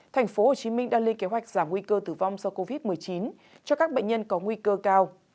tp hcm đang lên kế hoạch giảm nguy cơ tử vong do covid một mươi chín cho các bệnh nhân có nguy cơ cao